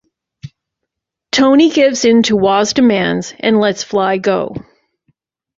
Tony gives into Wah's demands and lets Fly go.